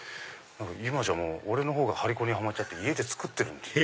今じゃ俺の方が張り子にハマっちゃって家で作ってるんですよ。